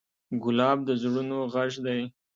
ګلاب د زړونو غږ دی.